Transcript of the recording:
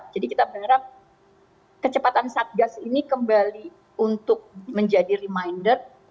jadi kita berharap kecepatan satgas ini kembali untuk menjadi reminder